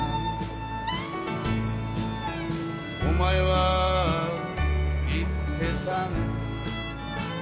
「お前は言ってたな」